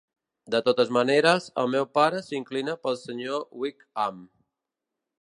De totes maneres, el meu pare s'inclina pel Sr. Wickham.